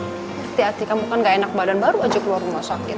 hati hati kamu kan gak enak badan baru aja keluar rumah sakit